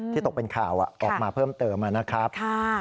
ตกเป็นข่าวออกมาเพิ่มเติมนะครับ